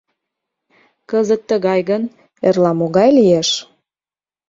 Кызыт тыгай гын, эрла могай лиеш?